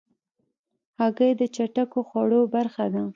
هګۍ د چټکو خوړو برخه ده.